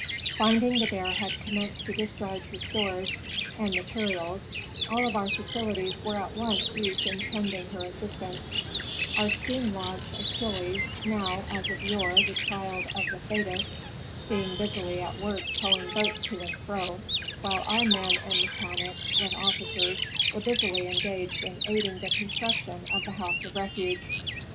Finding the Bear had commenced to discharge her stores and materials, all of our facilities were at once used in tending her as sistance, our steam launch Achilles (now, as of yore, the child of the Thetis) being busily at work towing boats to and fro, while our men and mechanics, with officers, were busily engaged in aiding the construction of the house of refuge.